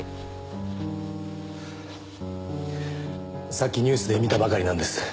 さっきニュースで見たばかりなんです。